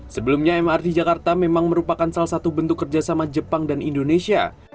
sebelumnya mrt jakarta memang merupakan salah satu bentuk kerjasama jepang dan indonesia